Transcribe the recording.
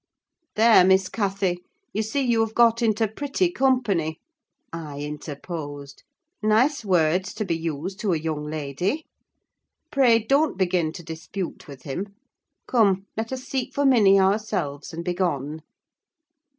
"There, Miss Cathy! you see you have got into pretty company," I interposed. "Nice words to be used to a young lady! Pray don't begin to dispute with him. Come, let us seek for Minny ourselves, and begone."